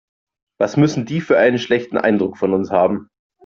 Was müssen die für einen schlechten Eindruck von uns haben.